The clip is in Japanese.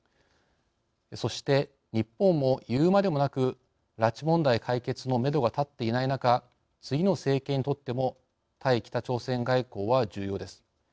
そして、日本もいうまでもなく拉致問題解決のめどが立っていない中次の政権にとっても対北朝鮮外交は重要です。